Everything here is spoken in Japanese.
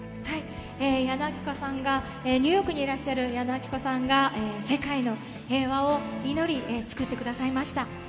ニューヨークにいらっしゃる矢野顕子さんが、世界の平和を祈り、作ってくださいました。